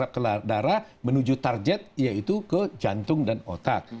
dari ke dalam labung di serap ke darah menuju target yaitu ke jantung dan otak